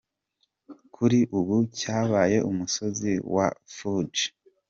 Kuri ubu cyabaye umusozi wa Fuji.